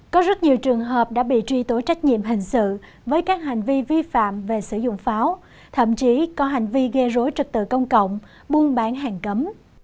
có rất nhiều trường hợp đã bị truy tố trách nhiệm hình sự với các hành vi vi phạm về sử dụng pháo thậm chí có hành vi gây rối trật tự công cộng buôn bán hàng cấm